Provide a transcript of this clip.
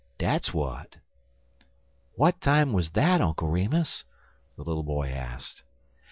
Dat's w'at." "What time was that, Uncle Remus?" the little boy asked.